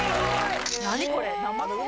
何これ？